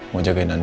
mau jagain anin